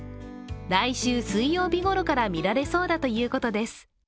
来週水曜日ごろから見られそうだということです。